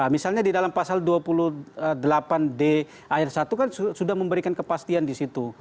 misalnya di dalam pasal dua puluh delapan d ayat satu kan sudah memberikan kepastian di situ